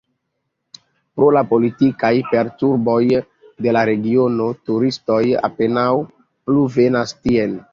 Pro la politikaj perturboj de la regiono turistoj apenaŭ plu venas tien.